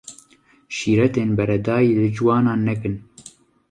Şîretên beredayî li ciwanan nekin.